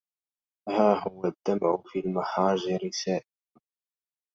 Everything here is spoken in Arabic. ها هو الدمع في المحاجر سائل